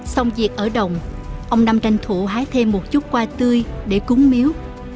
xong việc ở đồng ông năm tranh thủ hái thêm một chút qua tươi để cúng miếu